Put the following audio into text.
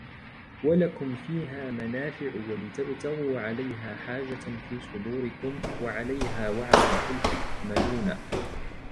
وَلَكُمْ فِيهَا مَنَافِعُ وَلِتَبْلُغُوا عَلَيْهَا حَاجَةً فِي صُدُورِكُمْ وَعَلَيْهَا وَعَلَى الْفُلْكِ تُحْمَلُونَ